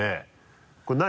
これ何？